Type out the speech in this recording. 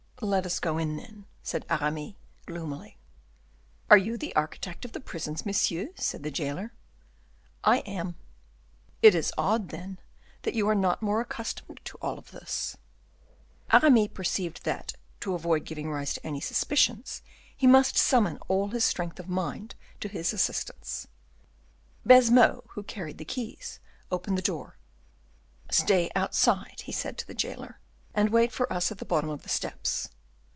"Let us go in, then," said Aramis, gloomily. "Are you the architect of the prisons, monsieur?" said the jailer. "I am." "It is odd, then, that you are not more accustomed to all this." Aramis perceived that, to avoid giving rise to any suspicions, he must summon all his strength of mind to his assistance. Baisemeaux, who carried the keys, opened the door. "Stay outside," he said to the jailer, "and wait for us at the bottom of the steps."